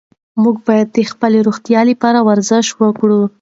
موږ باید د خپلې روغتیا لپاره ورزش وکړو.